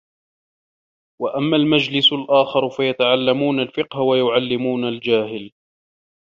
وَأَمَّا الْمَجْلِسُ الْآخَرُ فَيَتَعَلَّمُونَ الْفِقْهَ وَيُعَلِّمُونَ الْجَاهِلَ